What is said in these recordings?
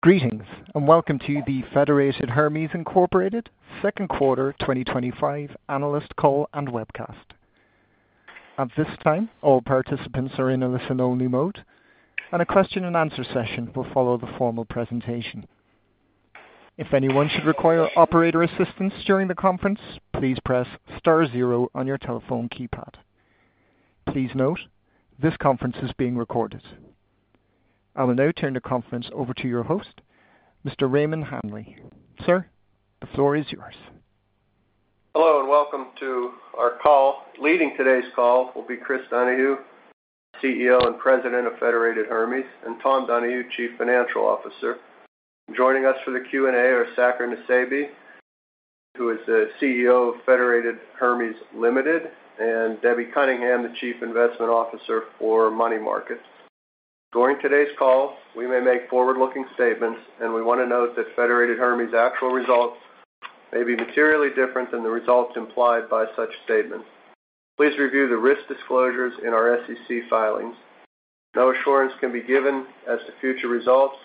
Greetings and welcome to the Federated Hermes, Incorporated Second Quarter 2025 Analyst Call and webcast. At this time, all participants are in a listen-only mode, and a question and answer session will follow the formal presentation. If anyone should require operator assistance during the conference, please press star zero on your telephone keypad. Please note this conference is being recorded. I will now turn the conference over to your host, Mr. Raymond Hanley. Sir, the floor is yours. Hello and welcome to our call. Leading today's call will be Chris Donahue, CEO and President of Federated Hermes, and Tom Donahue, Chief Financial Officer. Joining us for the Q&A are Saker Nusseibeh, who is the CEO of Federated Hermes Limited, and Debbie Cunningham, the Chief Investment Officer for Money Market. During today's call we may make forward-looking statements and we want to note that Federated Hermes' actual results may be materially different than the results implied by such statements. Please review the risk disclosures in our SEC filings. No assurance can be given as to future results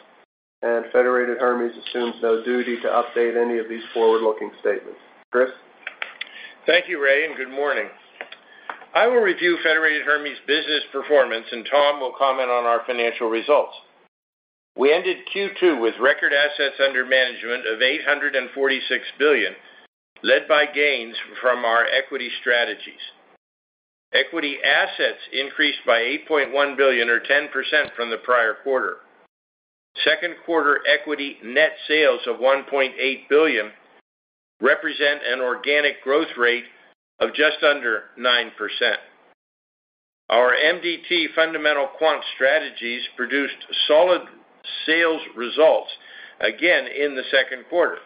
and Federated Hermes assumes no duty to update any of these forward-looking statements. Chris. Thank you Ray, and good morning. I will review Federated Hermes' business performance and Tom will comment on our financial results. We ended Q2 with record assets under management of $846 billion, led by gains from our equity strategies. Equity assets increased by $8.1 billion, or 10%, from the prior quarter. Second quarter equity net sales of $1.8 billion represent an organic growth rate of just under 9%. Our MDT fundamental quant strategies produced solid sales results again in the second quarter.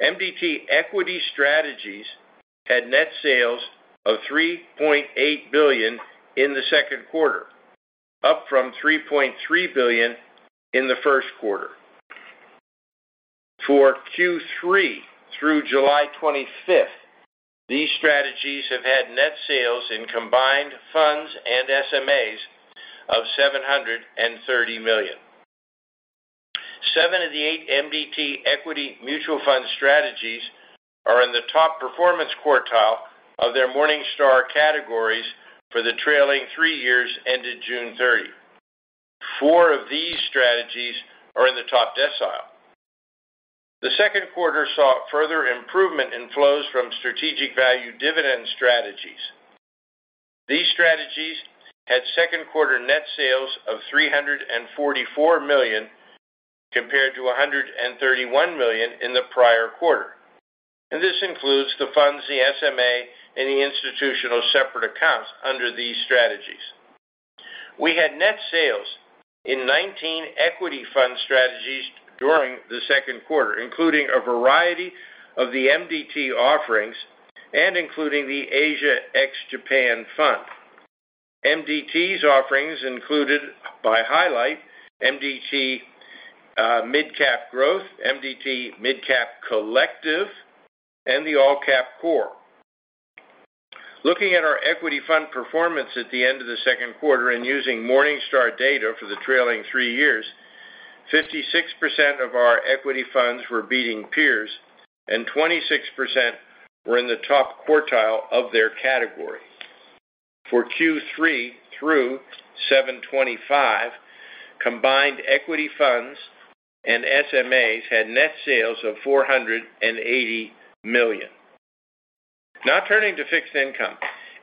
MDT equity strategies had net sales of $3.8 billion in the second quarter, up from $3.3 billion in the first quarter. For Q3 through July 25, these strategies have had net sales in combined funds and SMAs of $730 million. Seven of the eight MDT equity mutual fund strategies are in the top performance quartile of their Morningstar categories for the trailing three years ended June 30. Four of these strategies are in the top decile. The second quarter saw further improvement in flows from Strategic Value Dividend strategies. These strategies had second quarter net sales of $344 million compared to $131 million in the prior quarter, and this includes the funds, the SMA, and the institutional separate accounts. Under these strategies, we had net sales in 19 equity fund strategies during the second quarter, including a variety of the MDT offerings and including the Asia ex-Japan Fund. MDT's offerings included by highlight MDT Mid Cap Growth, MDT Mid Cap Collective, and the All Cap Core. Looking at our equity fund performance at the end of the second quarter and using Morningstar data for the trailing three years, 56% of our equity funds were beating peers and 26% were in the top quartile of their category. For Q3 through 7/25, combined equity funds and SMAs had net sales of $480 million. Now turning to fixed income,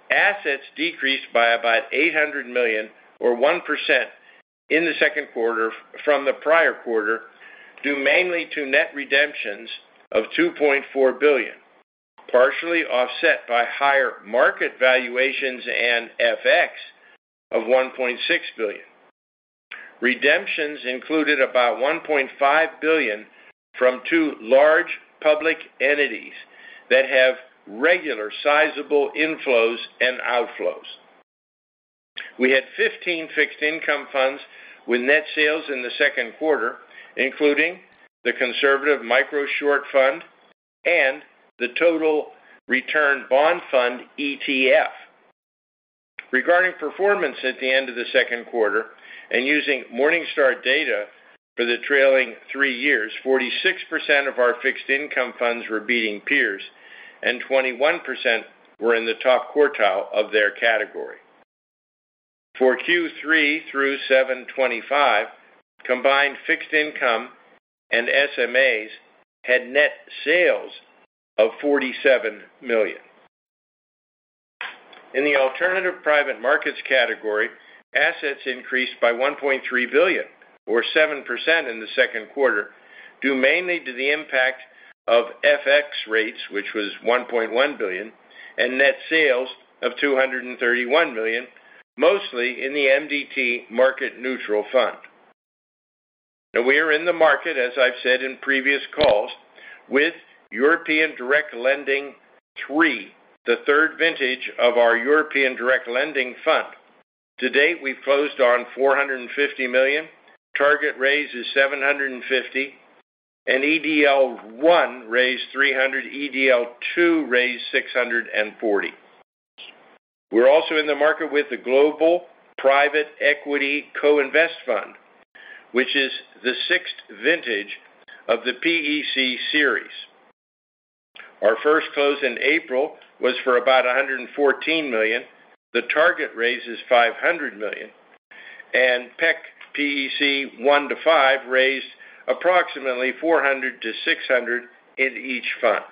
assets decreased by about $800 million or 1% in the second quarter from the prior quarter, due mainly to net redemptions of $2.4 billion, partially offset by higher market valuations and FX of $1.6 billion. Redemptions included about $1.5 billion from two large public entities that have regular sizable inflows and outflows. We had 15 fixed income funds with net sales in the second quarter, including the Conservative Micro Short Fund and the Total Return Bond Fund ETF. Regarding performance at the end of the second quarter and using Morningstar data for the trailing three years, 46% of our fixed income funds were beating peers and 21% were in the top quartile of their category. For Q3 through 7/25 combined fixed income and SMAs had net sales of $47 million. In the alternative private markets category, assets increased by $1.3 billion or 7% in the second quarter due mainly to the impact of FX rates, which was $1.1 billion, and net sales of $231 million, mostly in the MDT market. Neutral Fund, we are in the market, as I've said in previous calls, with European direct lending. The third vintage of our European Direct Lending Fund, to date we've closed on $450 million. Target raise is $750 million and EDL1 raised $300 million, EDL2 raised $640 million. We're also in the market with the Global Private Equity Co-Invest Fund, which is the sixth vintage of the PEC series. Our first close in April was for about $114 million. The target raise is $500 million and PEC 1-5 raised approximately $400 million-$600 million in each fund.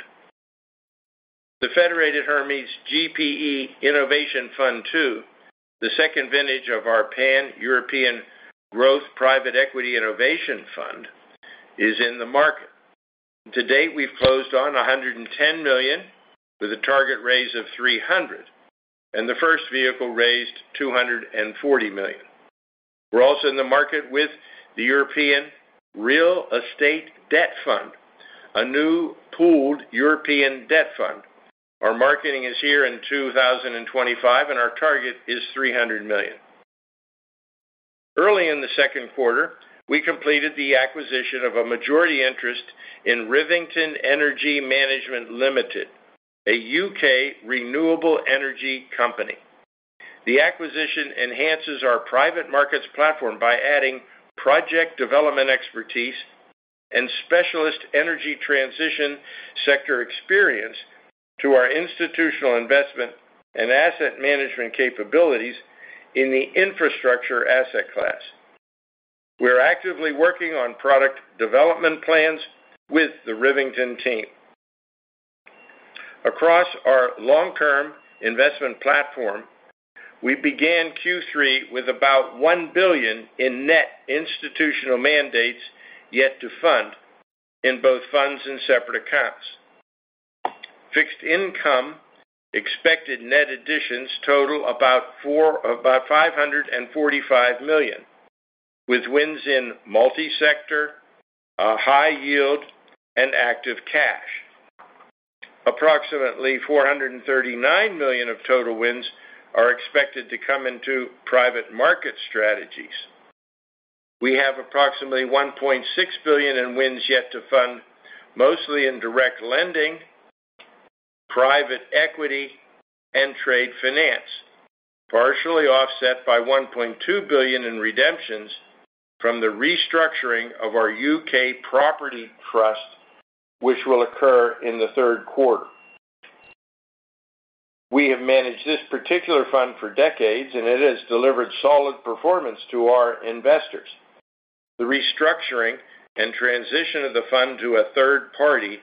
The Federated Hermes GPE Innovation Fund, the second vintage of our Pan European Growth Private Equity Innovation Fund, is in the market. To date we've closed on $110 million with a target raise of $300 million and the first vehicle raised $240 million. We're also in the market with the European Real Estate Debt Fund, a new pooled European debt fund. Our marketing is here in 2025 and our target is $300 million. Early in the second quarter we completed the acquisition of a majority interest in Rivington Energy Management Limited, a U.K. renewable energy company. The acquisition enhances our private markets platform by adding project development expertise and specialist energy transition sector experience to our institutional investment and asset management capabilities. In the infrastructure asset class, we are actively working on product development plans with the Rivington team across our long-term investment platform. We began Q3 with about $1 billion in net institutional mandates yet to fund in both funds and separate accounts. Fixed income expected net additions total about $545 million with wins in multi-sector high yield and active cash. Approximately $439 million of total wins are expected to come into private market strategies. We have approximately $1.6 billion in wins yet to fund, mostly in direct lending, private equity, and trade finance, partially offset by $1.2 billion in redemptions from the restructuring of our U.K. property trust, which will occur in the third quarter. We have managed this particular fund for decades, and it has delivered solid performance to our investors. The restructuring and transition of the fund to a third party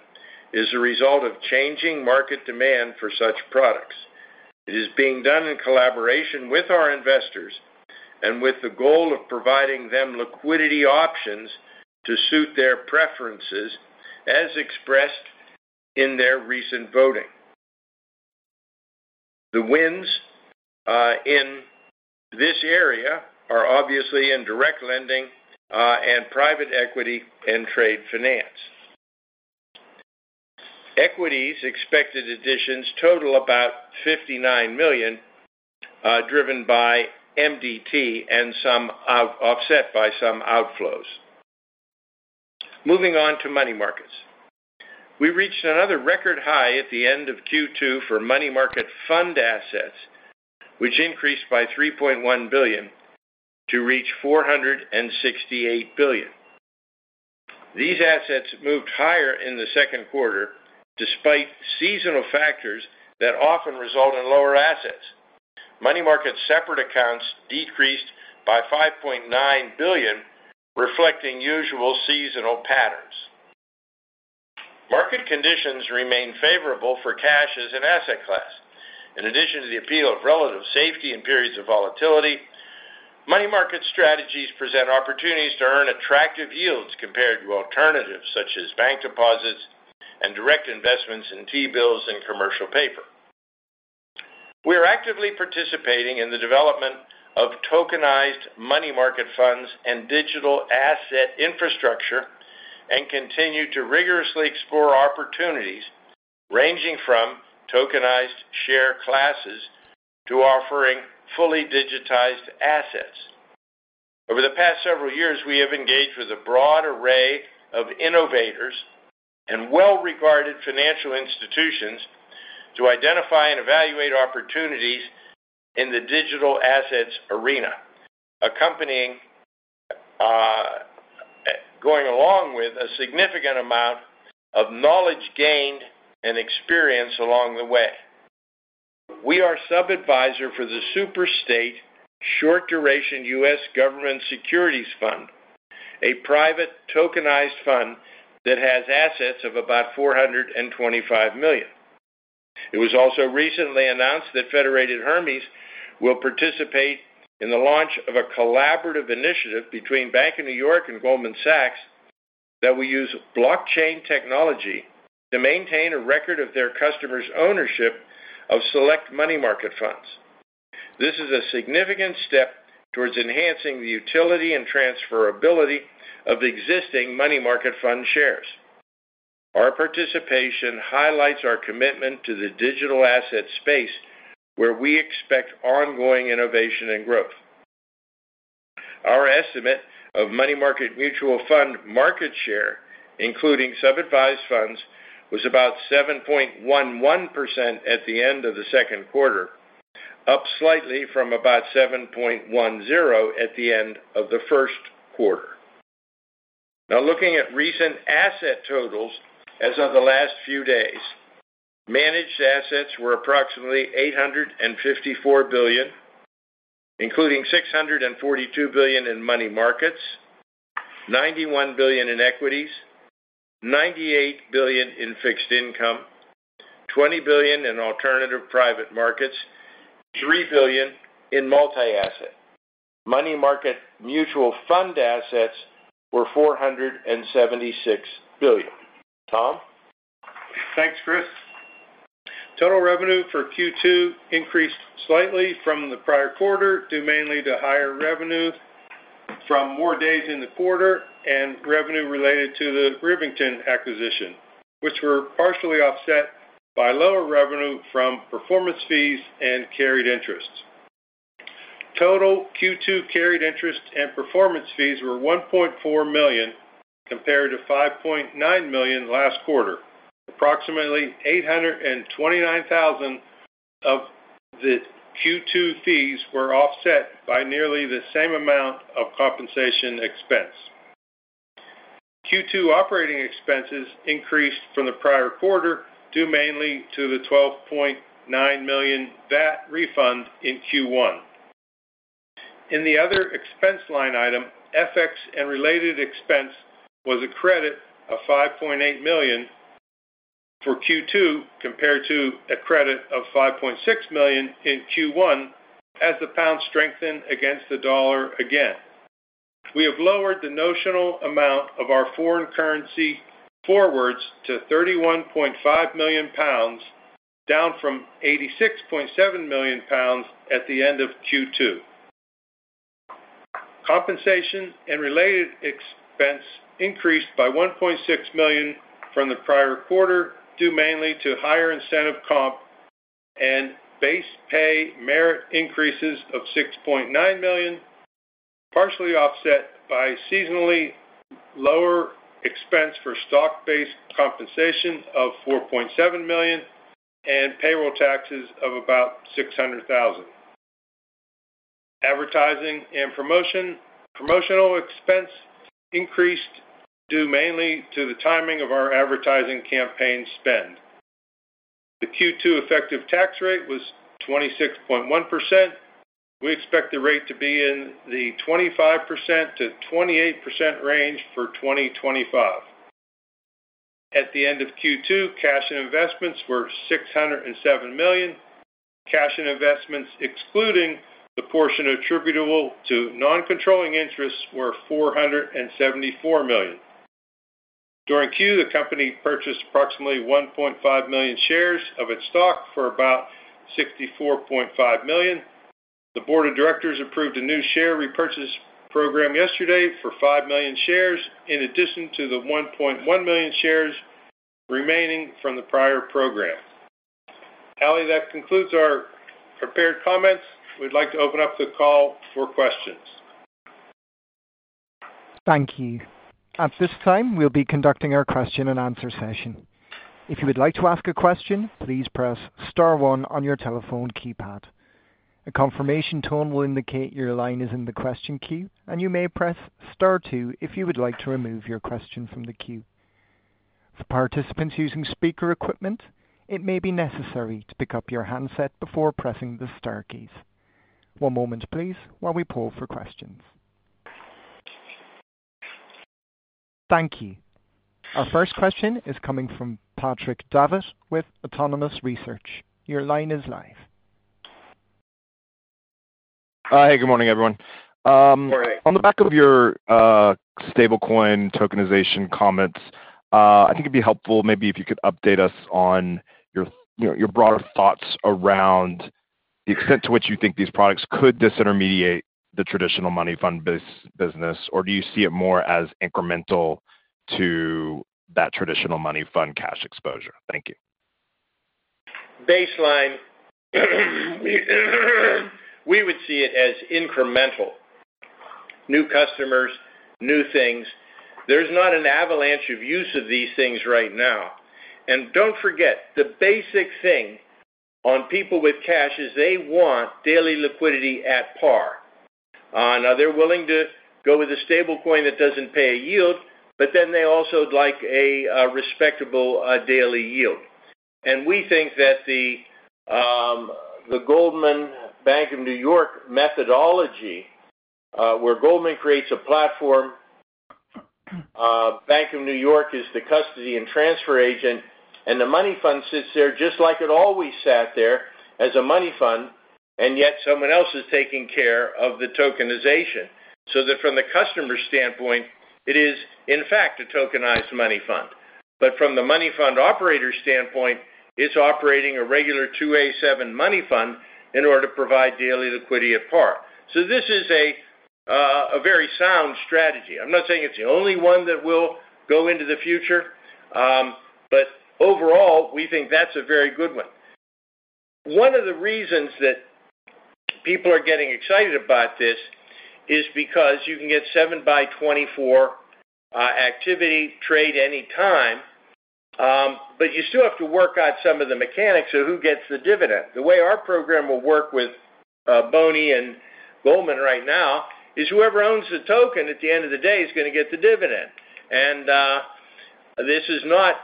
is the result of changing market demand for such products. It is being done in collaboration with our investors and with the goal of providing them liquidity options to suit their preferences as expressed in their recent voting. The wins in this area are obviously in direct lending, private equity, and trade finance. Equities expected additions total about $59 million, driven by MDT and some offset by some outflows. Moving on to money markets, we reached another record high at the end of Q2 for money market fund assets, which increased by $3.1 billion to reach $468 billion. These assets moved higher in the second quarter despite seasonal factors that often result in lower assets. Money market separate accounts decreased by $5.9 billion, reflecting usual seasonal patterns. Market conditions remain favorable for cash as an asset class. In addition to the appeal of relative safety in periods of volatility, money market strategies present opportunities to earn attractive yields compared to alternatives such as bank deposits and direct investments in T-bills and commercial paper. We are actively participating in the development of tokenized money market funds and digital asset infrastructure and continue to rigorously explore opportunities ranging from tokenized share classes to offering fully digitized assets. Over the past several years, we have engaged with a broad array of innovators and well-regarded financial institutions to identify and evaluate opportunities in the digital assets arena, accompanied by a significant amount of knowledge gained and experience along the way. We are sub-advisor for the Superstate Short Duration U.S. Government Securities Fund, a private tokenized fund that has assets of about $425 million. It was also recently announced that Federated Hermes will participate in the launch of a collaborative initiative between Bank of New York and Goldman Sachs that will use blockchain technology to maintain a record of their customers' ownership of select money market funds. This is a significant step towards enhancing the utility and transferability of existing money market fund shares. Our participation highlights our commitment to the digital asset space where we expect ongoing innovation and growth. Our estimate of money market mutual fund market share, including sub-advised funds, was about 7.11% at the end of the second quarter, up slightly from about 7.10% at the end of the first quarter. Now looking at recent asset totals, as of the last few days, managed assets were approximately $854 billion, including $642 billion in money markets, $91 billion in equities, $98 billion in fixed income, $20 billion in alternative private markets, and $3 billion in multi-asset. Money market mutual fund assets were $476 billion. Tom. Thanks Chris. Total revenue for Q2 increased slightly from the prior quarter due mainly to higher revenue from more days in the quarter and revenue related to the Rivington acquisition, which were partially offset by lower revenue from performance fees and carried interest. Total Q2 carried interest and performance fees were $1.4 million compared to $5.9 million last quarter. Approximately $829,000 of the Q2 fees were offset by nearly the same amount of compensation expense. Q2 operating expenses increased from the prior quarter due mainly to the $12.9 million VAT refund in Q1. In the other expense line item, FX and related expense was a credit of $5.8 million for Q2 compared to a credit of $5.6 million in Q1. As the pound strengthened against the dollar again, we have lowered the notional amount of our foreign currency forwards to 31.5 million pounds, down from 86.7 million pounds at the end of Q2. Compensation and related expense increased by $1.6 million from the prior quarter due mainly to higher incentive comp and base pay merit increases of $6.9 million, partially offset by seasonally lower expense for stock-based compensation of $4.7 million and payroll taxes of about $600,000. Advertising and promotional expense increased due mainly to the timing of our advertising campaign spend. The Q2 effective tax rate was 26.1%. We expect the rate to be in the 25%-28% range for 2025. At the end of Q2, cash and investments were $607 million. Cash and investments excluding the portion attributable to non-controlling interest were $474 million. During Q, the company purchased approximately 1.5 million shares of its stock for about $64.5 million. The Board of Directors approved a new share repurchase program yesterday for 5 million shares, in addition to the 1.1 million shares remaining from the prior program. That concludes our prepared comments. We'd like to open up the call for questions. Thank you. At this time, we'll be conducting our question and answer session. If you would like to ask a question, please press star one on your telephone keypad. A confirmation tone will indicate your line is in the question queue, and you may press star two if you would like to remove your question from the queue. For participants using speaker equipment, it may be necessary to pick up your handset before pressing the star keys. One moment, please, while we poll for questions. Thank you. Our first question is coming from Patrick Davitt with Autonomous Research. Your line is live. Hey, good morning, everyone. On the back of your stablecoin tokenization comments, I think it'd be helpful maybe if you could update us on your broader thoughts around the extent to which you think these products could disintermediate the traditional money market fund business. Do you see it more as incremental to that traditional money market fund cash exposure? Thank you. Baseline, we would see it as incremental. New customers, new things. There's not an avalanche of use of these things right now. Don't forget, the basic thing on people with cash is they want daily liquidity at par. They're willing to go with a stablecoin that doesn't pay a yield, but then they also like a respectable daily yield. We think that the Goldman, Bank of New York methodology, where Goldman creates a platform, Bank of New York is the custody and transfer agent, and the money market fund sits there just like it always sat there as a money market fund, and yet someone else is taking care of the tokenization. From the customer standpoint, it is in fact a tokenized money market fund, but from the money market fund operator standpoint, it's operating a regular 2a-7 money market fund in order to provide daily liquidity at par. This is a very sound strategy. I'm not saying it's the only one that will go into the future, but overall, we think that's a very good one. One of the reasons that people are getting excited about this is because you can get 7-by-24 activity, trade anytime. You still have to work out some of the mechanics of who gets the dividend. The way our program will work with Goldman right now is whoever owns the token at the end of the day is going to get the dividend. This is not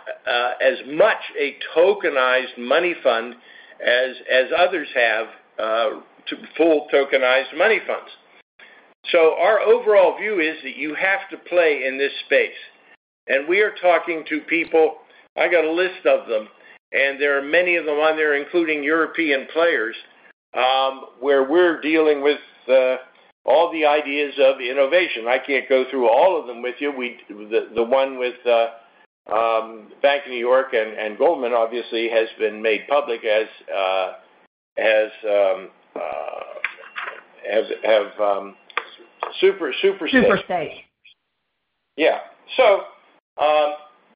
as much a tokenized money market fund as others have full tokenized money market funds. Our overall view is that you have to play in this space and we are talking to people. I got a list of them and there are many of them on there, including European players where we're dealing with all the ideas of innovation. I can't go through all of them with you. The one with Bank of New York and Goldman obviously has been made public, as have Superstate. Yeah.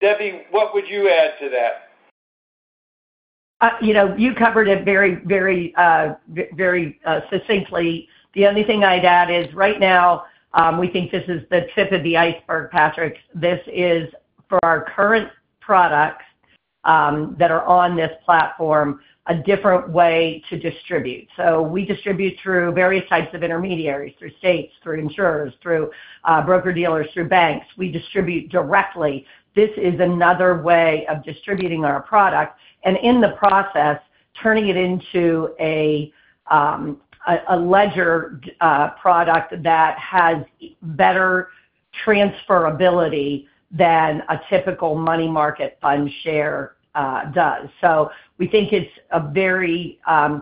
Debbie, what would you add to that? You covered it very, very, very succinctly. The only thing I'd add is right now we think this is the tip of the iceberg, Patrick. This is for our current products that are on this platform, a different way to distribute. We distribute through various types of intermediaries, through states, through insurers, through broker dealers, through banks. We distribute directly. This is another way of distributing our product and in the process turning it into a ledger product that has better transferability than a typical money market fund share does. We think it's a very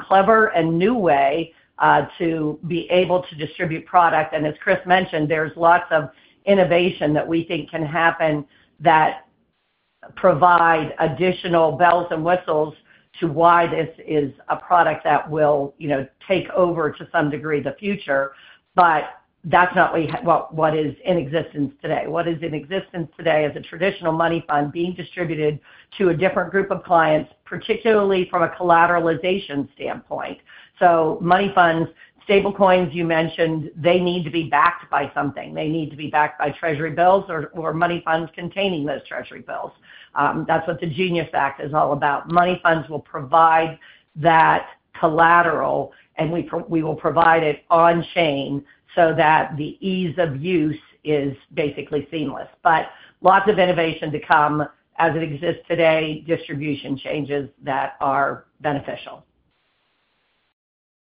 clever and new way to be able to distribute product. As Chris mentioned, there's lots of innovation that we think can happen that provide additional bells and whistles to why this is a product that will take over to some degree the future, but that's not what is in existence today. What is in existence today is a traditional money fund being distributed to a different group of clients, particularly from a collateralization standpoint. Money funds, stablecoins you mentioned, they need to be backed by something. They need to be backed by treasury bills or money funds containing those treasury bills. That's what the Genius Act is all about. Money funds will provide that collateral and we will provide it on chain so that the ease of use is basically seamless. Lots of innovation to come as it exists today. Distribution changes that are beneficial.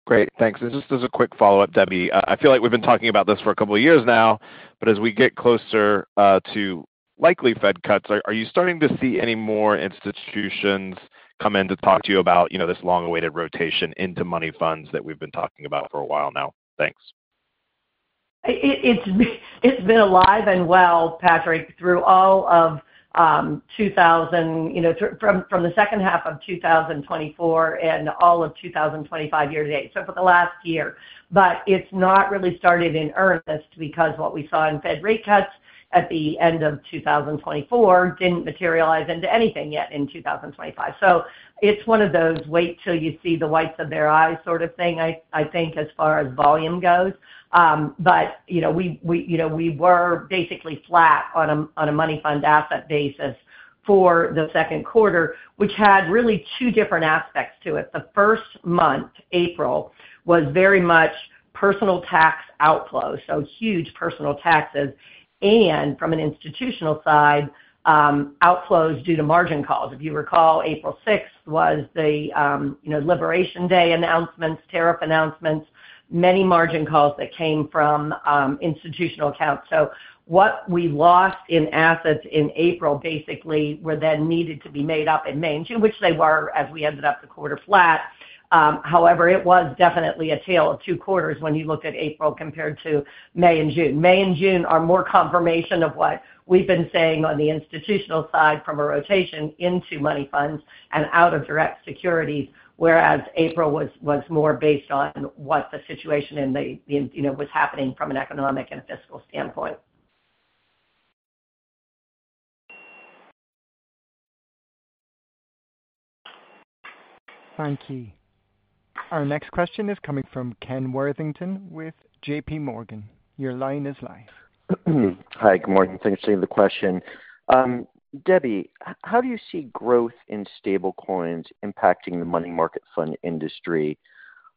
Great, thanks. Just as a quick follow-up, Debbie, I feel like we've been talking about this for a couple years now, but as we get closer to likely Fed cuts, are you starting to see any more institutions come in to talk to you about this long-awaited rotation into money market funds that we've been talking about for a while now? Thanks. It's been alive and well, Patrick, through all of the second half of 2024 and all of 2025 year to date, so for the last year. It's not really started in earnest because what we saw in Fed rate cuts at the end of 2024 didn't materialize into anything yet in 2025. It's one of those wait till you see the whites of their eyes sort of thing, I think, as far as volume goes. We were basically flat on a money market fund asset basis for the second quarter, which had really two different aspects to it. The first month, April, was very much personal tax outflow, so huge personal taxes, and from an institutional side, outflows due to margin calls. If you recall, April 6 was the Liberation Day announcements, tariff announcements, many margin calls that came from institutional accounts. What we lost in assets in April basically were then needed to be made up in May, which they were as we ended up with quarter flat. It was definitely a tale of two quarters when you look at April compared to May and June. May and June are more confirmation of what we've been saying on the institutional side from a rotation into money market funds and out of direct securities, whereas April was more based on what the situation was happening from an economic and fiscal standpoint. Thank you. Our next question is coming from Ken Worthington with JPMorgan. Your line is live. Hi, good morning. Thanks for the question, Debbie. How do you see growth in stablecoins impacting the money market fund industry?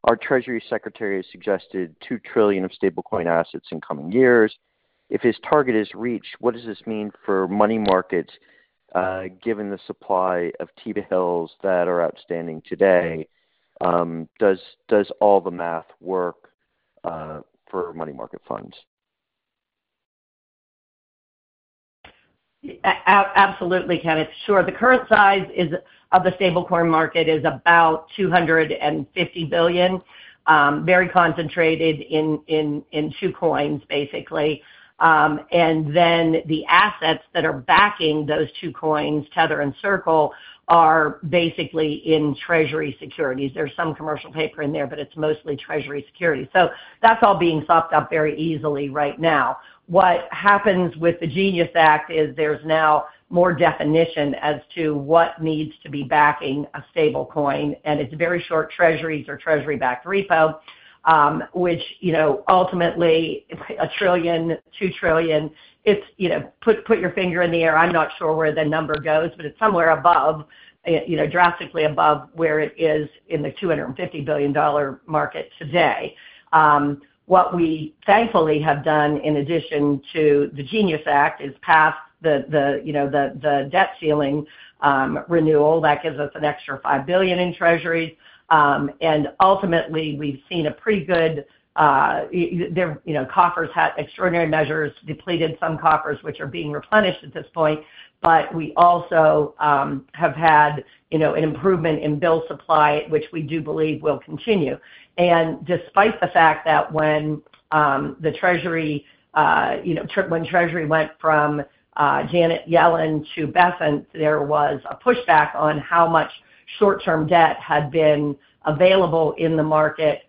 Our Treasury Secretary suggested $2 trillion of stablecoin assets in coming years if his target is reached. What does this mean for money markets given the supply of T-bills that are outstanding today? Does all the math work for money market funds? Absolutely, Kenneth. Sure. The current size of the stablecoin market is about $250 billion. Very concentrated in two coins, basically. The assets that are backing those two coins, Tether and Circle, are basically in treasury securities. There's some commercial paper in there, but it's mostly treasury securities. That's all being sopped up very easily right now. What happens with the Genius Act is there's now more definition as to what needs to be backing a stablecoin, and it's very short. Treasuries or treasury-backed repo, which ultimately a trillion, two trillion, put your finger in the air. I'm not sure where the number goes, but it's somewhere above, you know, drastically above where it is in the $250 billion market today. What we thankfully have done, in addition to the Genius Act being passed, is the debt ceiling renewal that gives us an extra $5 billion in treasuries. Ultimately, we've seen pretty good coffers, had extraordinary measures depleted some coffers which are being replenished at this point. We also have had an improvement in bill supply, which we do believe will continue. Despite the fact that when Treasury went from Janet Yellen to Bessent, there was a pushback on how much short-term debt had been available in the market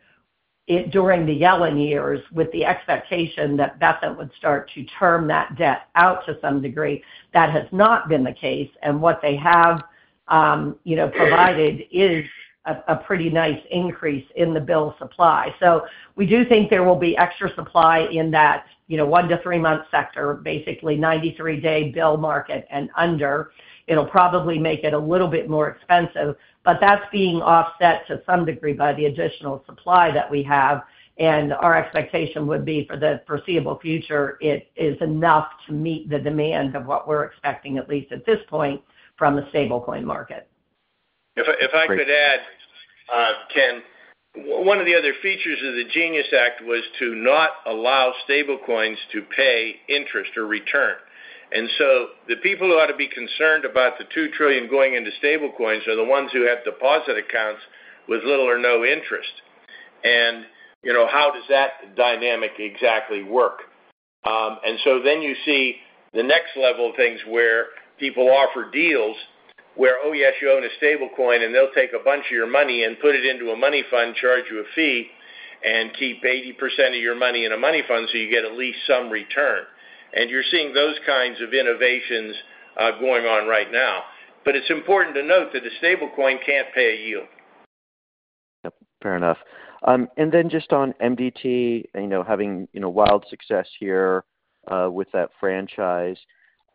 during the Yellen years, with the expectation that Bessent would start to term that debt out to some degree, that has not been the case. What they have provided is a pretty nice increase in the bill supply. We do think there will be extra supply in that one to three month sector, basically 93-day bill market and under. It'll probably make it a little bit more expensive, but that's being offset to some degree by the additional supply that we have, and our expectation would be for the foreseeable future it is enough to meet the demand of what we're expecting, at least at this point, from the stablecoin market. If I could add, Ken, one of the other features of the Genius Act was to not allow stablecoins to pay interest or return. The people who ought to be concerned about the $2 trillion going into stablecoins are the ones who have deposit accounts with little or no interest. How does that dynamic exactly work? You see the next level of things where people offer deals where, oh yes, you own a stablecoin and they'll take a bunch of your money and put it into a money market fund, charge you a fee, and keep 80% of your money in a money market fund so you get at least some return. You're seeing those kinds of innovations going on right now. It's important to note that a stablecoin can't pay a yield. Fair enough. Just on MDT having wild success here with that franchise.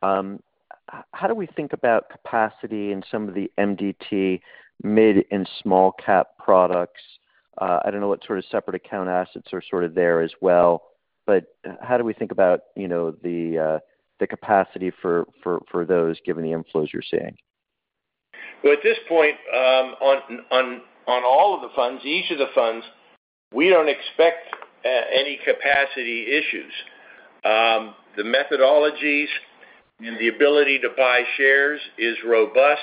How do. We think about capacity in some of the MDT fundamental quant strategies mid and small cap products. I don't know what sort of separate account assets are sort of there as well, but how do we think about the capacity for those given the inflows you're seeing? At this point on all of the funds, each of the funds, we don't expect any capacity issues. The methodologies and the ability to buy shares is robust.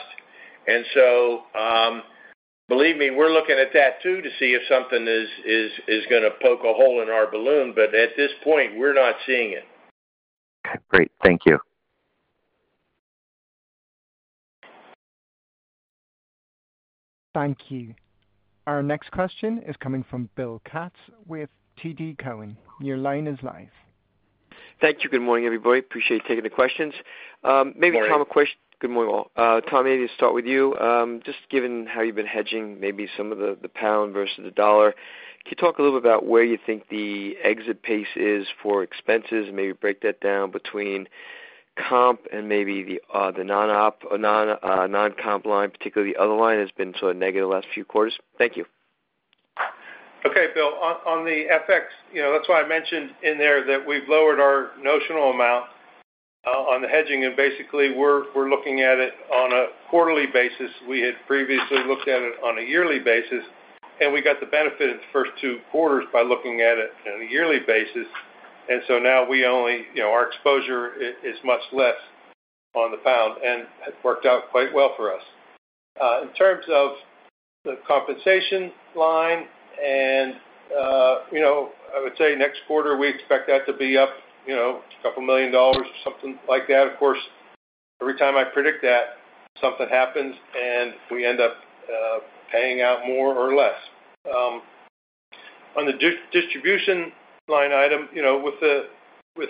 Believe me, we're looking at that too to see if something is going to poke a hole in our balloon. At this point we're not seeing it. Great, thank you. Thank you. Our next question is coming from Bill Katz with TD Cowen. Your line is live. Thank you. Good morning everybody. Appreciate you taking the questions. Maybe Tom, a question. Good morning all. Tommy, maybe start with you. Just given how you've been hedging maybe some of the pound versus the dollar, can you talk a little bit about where you think the exit pace is for expenses? Maybe break that down between comp and maybe the non-comp line, particularly the other line has been sort of negative the last few quarters. Thank you. Okay, Bill, on the FX, that's why I mentioned in there that we've lowered our notional amount on the hedging. Basically, we're looking at it on a quarterly basis. We had previously looked at it on a yearly basis and we got the benefit in the first two quarters by looking at it on a yearly basis. Now we only, you know, our exposure is much less on the pound. It worked out quite well for us in terms of the compensation line. I would say next quarter we expect that to be up a couple million dollars or something like that. Of course, every time I predict that something happens and we end up paying out more or less. On the distribution line item, with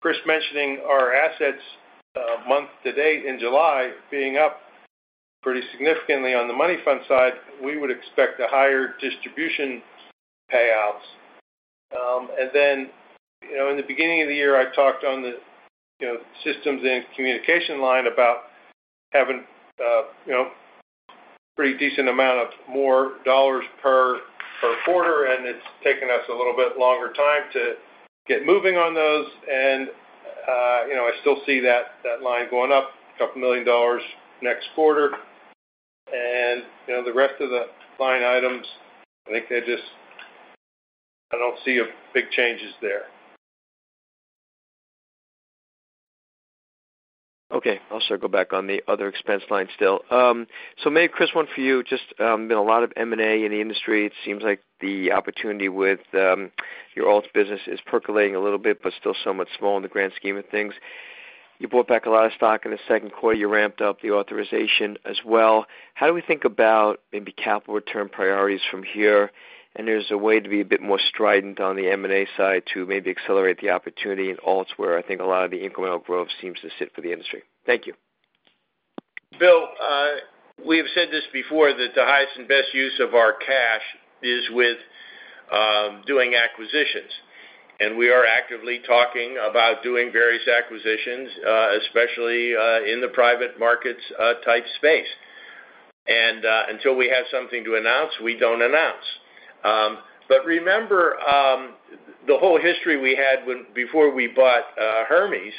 Chris mentioning our assets month to date in July being up pretty significantly on the money market fund side, we would expect the higher distribution payouts. In the beginning of the year I talked on the systems and communication line about having pretty decent amount of more dollars per quarter. It's taken us a little bit longer time to get moving on those. I still see that line going up a couple million dollars next quarter. The rest of the line items, I think they just, I don't see big changes there. Okay, I'll sort of go back on the other expense line still. Maybe Chris, one for you. There's been a lot of M&A in the industry. It seems like the opportunity with your alts business is percolating a little bit, but still somewhat small in the grand scheme of things. You bought back a lot of stock in the second quarter. You ramped up the authorization as well. How do we think about maybe capital return priorities from here? Is there a way to be a bit more strident on the M&A side to maybe accelerate the opportunity in alts where I think a lot of the incremental growth seems to sit for the industry? Thank you, Bill. We have said this before, that the highest and best use of our cash is with doing acquisitions. We are actively talking about doing various acquisitions, especially in the private markets type space. Until we have something to announce, we don't announce. Remember the whole history we had before we bought Hermes,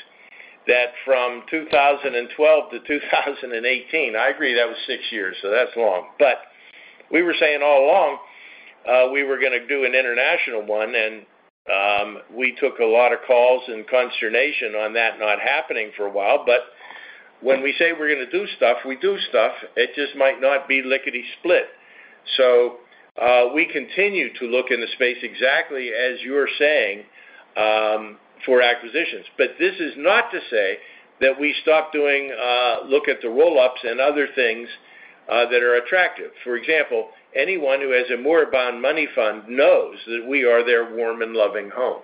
that from 2012-2018, I agree that was six years, so that's long. We were saying all along we were going to do an international one and we took a lot of calls and consternation on that not happening for a while. When we say we're going to do stuff, we do stuff. It just might not be lickety split. We continue to look in the space exactly as you're saying for acquisitions. This is not to say that we stop doing look at the roll ups and other things that are attractive. For example, anyone who has a moribund money market fund knows that we are their warm and loving home.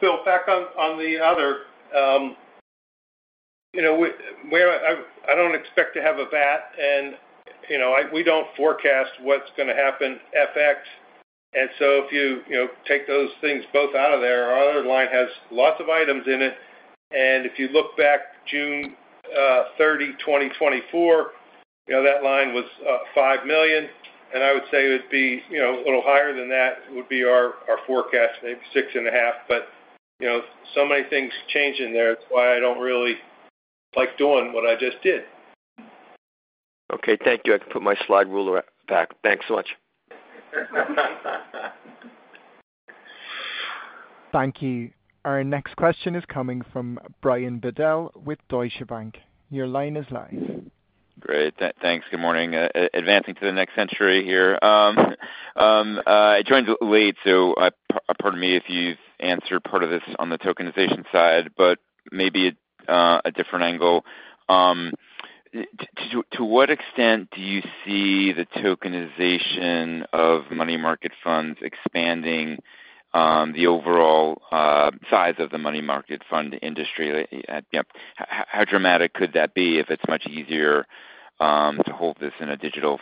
Bill, back on the other, I don't expect to have a VAT and you know, we don't forecast what's going to happen FX. If you take those things both out of there, our other line has lots of items in it. If you look back, June 30, 2024, that line was $5 million. I would say it would be a little higher than that would be our forecast, maybe $6.5 million. So many things change in there. That's why I don't really like doing what I just did. Thank you. I can put my slide ruler back. Thanks so. Much. Thank you. Our next question is coming from Brian Bedell with Deutsche Bank. Your line is live. Great, thanks. Good morning. Advancing to the next century here. I joined late, so pardon me if you answered part of this on the tokenization side, but maybe a different angle. To what extent do you see the tokenization of money market funds expanding the overall size of the money market fund industry, how dramatic could that be? If it's much easier to hold this in a digital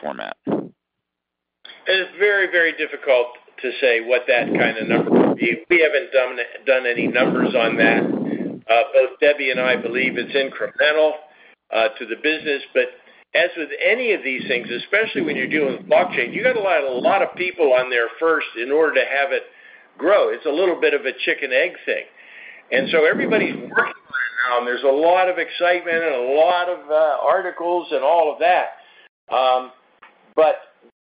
format, it's very, very difficult to say what that kind of number would be. We haven't done any numbers on that. Both Debbie and I believe it's incremental to the business. As with any of these things, especially when you're dealing with blockchain, you got to let a lot of people on there first in order to have it grow. It's a little bit of a chicken egg thing. Everybody's working on it now. There's a lot of excitement and a lot of articles and all of that, but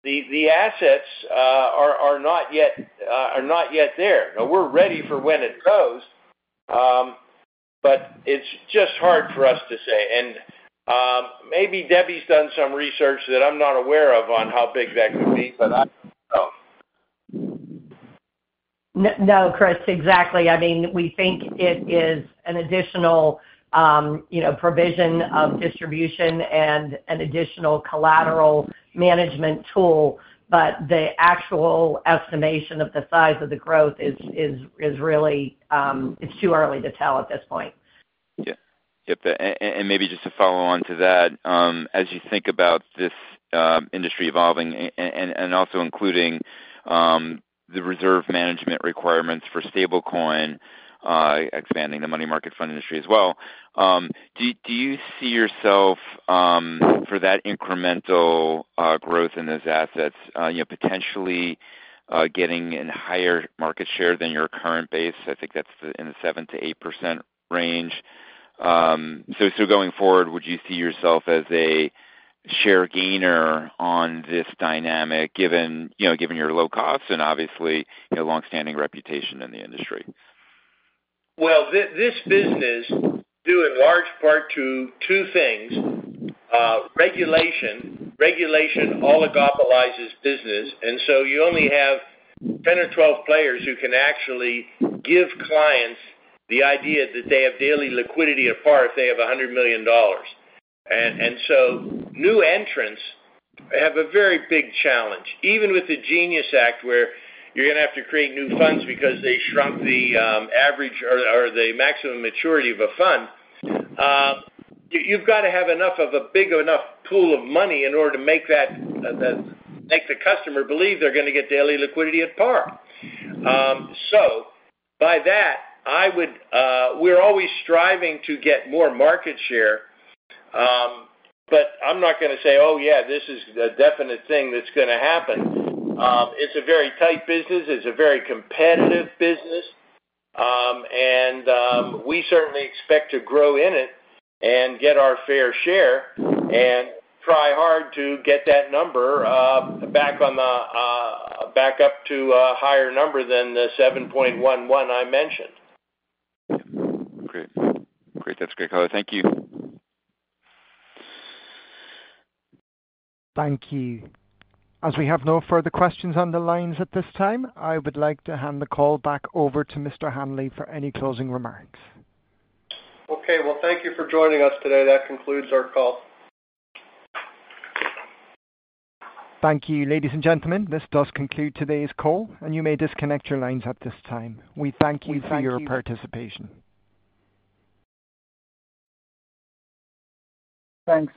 the assets are not yet there. We're ready for when it goes, but it's just hard for us to say. Maybe Debbie's done some research that I'm not aware of on how big that could be, but I. No, Chris, exactly. I mean we think it is an additional provision of distribution and an additional collateral management tool. The actual estimation of the size of the growth is really, it's too early to tell at this point. Maybe just to follow on to that. As you think about this industry evolving and also including the reserve management requirements for stablecoin, expanding the money market fund industry as well, do you see yourself for that incremental growth in those assets, potentially getting a higher market share than your current base? I think that's in the 7%-8% range. Going forward, would you see yourself as a share gainer on this dynamic given your low cost and obviously your long standing reputation in the industry? This business is due in large part to two things. Regulation. Regulation oligopolizes business. You only have 10 or 12 players who can actually give clients the idea that they have daily liquidity apart if they have $100 million. New entrants have a very big challenge. Even with the Genius Act where you're going to have to create new funds because they shrunk the average or the maximum maturity of a fund, you've got to have enough of a big enough pool of money in order to make the customer believe they're going to get daily liquidity at par. By that we're always striving to get more market share. I'm not going to say, oh yeah, this is a definite thing that's going to happen. It's a very tight business, it's a very competitive business and we certainly expect to grow in it and get our fair share and try hard to get that number back up to a higher number than the 7.11 I mentioned. Great. That's great. Thank you. Thank you. As we have no further questions on the lines at this time, I would like to hand the call back over to Mr. Hanley for any closing remarks. Okay, thank you for joining us today. That concludes our call. Thank you. Ladies and gentlemen, this does conclude today's call. You may disconnect your lines at this time, please. We thank you for your participation. Thanks.